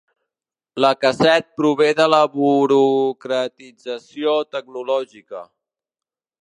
La casset prové de la burocratització tecnològica.